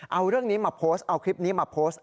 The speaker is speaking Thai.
เอาเรื่องนี้มาโพสต์เอาคลิปนี้มาโพสต์